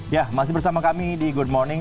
ya masih bersama kami di good morning